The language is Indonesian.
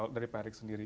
dari pak erick sendiri